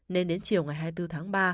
nên đến chiều ngày hai mươi bốn tháng ba